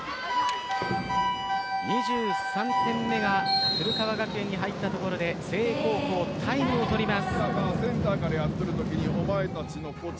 ２３点目が古川学園に入ったところで誠英高校タイムを取ります。